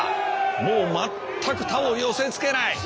もう全く他を寄せつけない。